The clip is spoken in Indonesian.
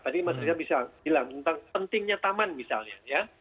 tadi mas riza bisa bilang tentang pentingnya taman misalnya ya